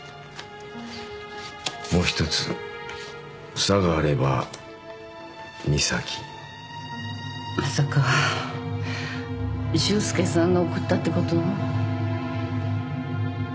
もう一つ「さ」があれば「みさき」まさか修介さんが送ったってこと？